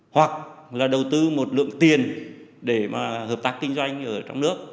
hoặc là đầu tư một lượng tiền để mà hợp tác kinh doanh ở trong nước